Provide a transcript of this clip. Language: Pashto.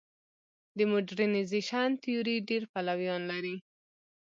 د موډرنیزېشن تیوري ډېر پلویان لري.